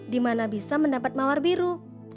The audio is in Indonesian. dimana bisa mendapat mawar biru